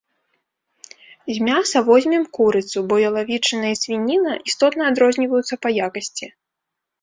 З мяса возьмем курыцу, бо ялавічына і свініна істотна адрозніваюцца па якасці.